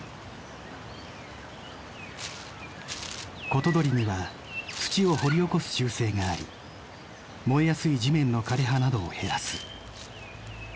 コトドリには土を掘り起こす習性があり燃えやすい地面の枯れ葉などを減らす。